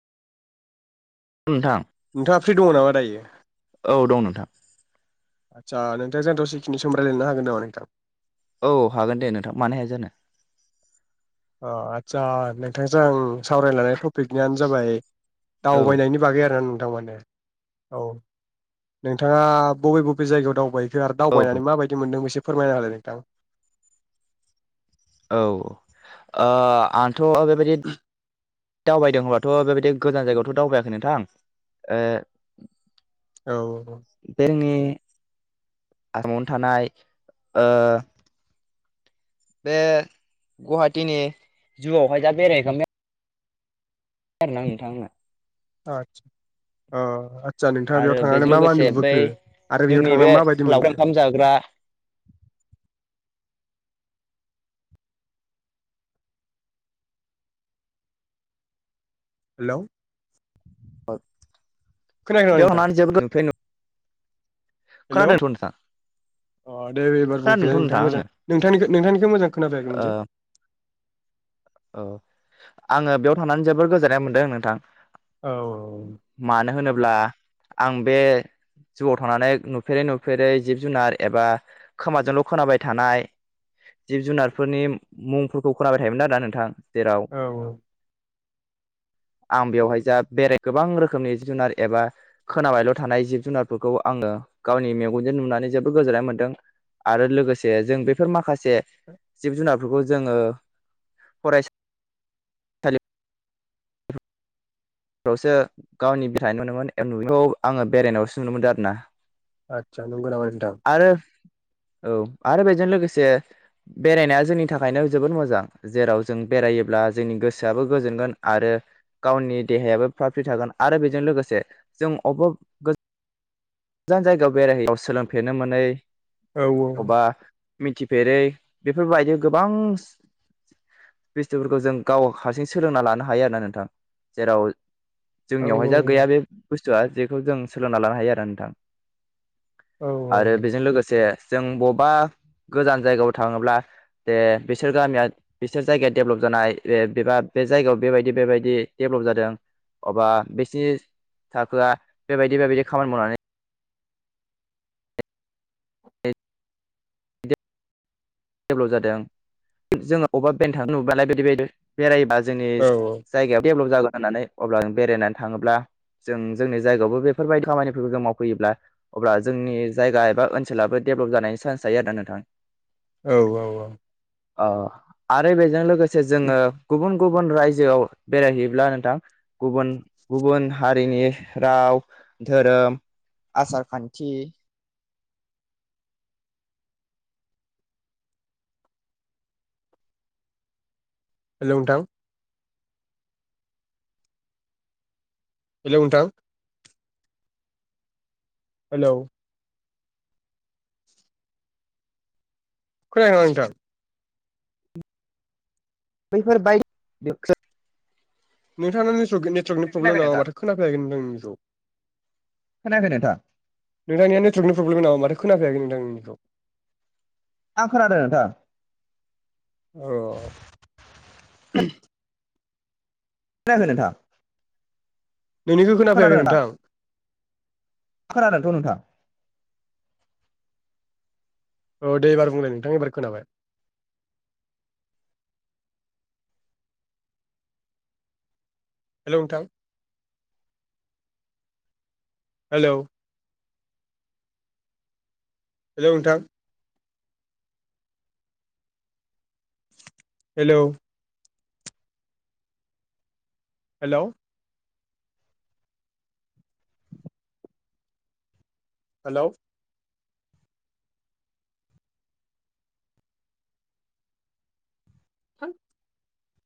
नोंथां नोंथाङा फ्रि दङ नामा दायो? औ दं नोंथां। आदसा नोंथांङा रायज्लायनो हागोन नामा नोंथां? औ हागोन दे नोंथां मानो हाया जानो। अ आतसा नोंथांजों आं सावरायनो लानाय टपिकनियानो जाबाय औ दावबायनायनि बागै आरो औ नोंथाङा बबे बबे जायगायाव दावबाय खो आरो औ दावबायनानै माबायदि मोनदों एसे फोरमायना होलाय नोंथां। औ ओ आंथ' बेबायदि दावबायदों होमबाथ' बेबायदि गोजान जायगायावथ' दावबायाखै नोंथां औ [unintelligible] आसामावनो थानाय ओ बे गुवाहाटिनि जुआवहाय दा बेरायहैखांबाय [unintelligible] नोंथां आंनो आतसा अ आतसा नोंथाङा आरो बेयाव बेजों थांनानै मा मा लोगोसे बै नुबोखो आरो बेयाव जोंनि थांनानै बे माबायदि लावखार मोनखो? [inaudible] ओंखाम जाग्रा हेल' खोनायाखै नामा नोंथां [unintelligible] हेलौ खोनादोंथ' नोंथां अ दे एबार खोनादोंथ' बुंफिननाय नोंथां नोंथाङा मोजां आङो नोंथांनिखौ नोंथांनिखौ मोजां ओ खोनाबायाखैमोन जे औ आङो बेयाव थनानै जोबोर गोजोननाय मोनदों नोंथां। औ। अब्ला आं बे जुआव थांनानै नुफेरै नुफेरै जिब जुनार एबा खोमाजोंल' खोनाबाय थानाय जिब जुनारफोरनि मुंफोरखौ खोनाबाय थायोमोन आरोना नोंथां जेराव औ औ आं बेवहाय जा बेराय गोबां रोखोमनि जिब जुनार एबा खोनाबायल' थानाय जिब जुनारफोरखौ आं आङो गावनि मेगनजों नुनानै जोबोद गोजोननाय मोन्दों। आरो लोगोसे जों बेफोर माखासे जिब जुनारफोरखौ जोङो फरायसा बेवसो गावनि [inaudible] बेखौ आङो बेरायनायावसो नुनो मोनदों आरो ना। आतसा नंगौ नामा? नोंथां आरो औ आरो बेजों लोगोसे बेरायनाया जोंनि थाखायनो जोबोद मोजां जेराव जों बेरायोब्ला जोंनि गोसोआबो गोजोनगोन आरो गावनि देहायाबो फ्राद फ्रिद थागोन। आरो बेजों लोगोसे जों [unintelligible] गोजान जायगायाव बेराय हैनायाव सोलोंफेरनो मोनै औ औ। अबा मिथिफेरै बेफोरबायदि गोबां बुस्थुफोरखौ जों गाव हारसिं सोलोंना लानो हायो आरो ना नोंथां । जेराव औ जोंनियावहाय जा गैया बे बुस्थुआ जेखौ जों सोलोंना लानो हायो आरोना नोंथां । औ आरो बेजों लोगोसे जों बबेबा गोजान जायगायाव थाङोब्ला दे बिसोर गामिया बिसोर जायगाया दडेभेलप जानाय बेबा बे जायगायाव बेबायदि बेबायदि जादों अबा बिसिनि थाखोआ बेबायदि बेबायदि खामानि मावनानै बिे डेभेलप जादों । जोङो अबेबा बेरायनो थांना नुबालाय बेबायदि‌ बेबायदि बेरायबा जोंनि जायगायाव डेभेलप जागोन होननानै अब्ला बेरायनानै थाङो जों जोंनि जायगायावबो बेफोरबायदि खामानिफोरखौ जों मावफैयोब्ला अब्ला जोंनि जायगा एबा ओनसोलाबो डेभेलप जानायनि चान्स जायो आरो ना नोंथां । औ औ औ औ। औ । आरो बेजों लोगोसे जोङो गुबुन गुबुन रायजोआव बेरायहैयोब्ला नोंथां गुबुन गुबुन हारिनि राव धोरोम, आसार-खान्थि हेल' नोंथां! हेल' नोथां! हेलौ खोनायाखै नामा नोंथां? बैफोर बायदि नोंथांना नेटवर्क नेटवर्कनि प्रब्लेम खोनायाखै नामा? नोंथां माथो खोनाफैयाखै नोंथां निखौ खोनायाखै नोंथां? नोंथांनिया नेटवर्कनि प्रब्लेम नामा माथो खोनाफाययाखै नोंथांनिखौ? आं खोनादों नोंथां। औ खोनायाखै नोंथां? नोंनिखौ खोनाफैयाखै नोंथां। खोनादोंथ' नोंथां औ दे एबार बुंलाय नोंथां एबार खोनाबाय। हेल' नोंथां। हेलौ हेल' नोंथां। Hello hello! हेल'! होद